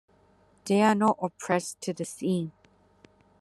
They are not oppressed to the stem.